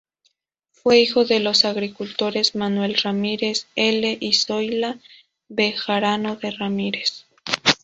Fue hijo de los agricultores "Manuel Ramírez L." y "Zoila Bejarano de Ramírez".